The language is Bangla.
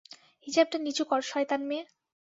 হিজাবটা নিচু কর, শয়তান মেয়ে!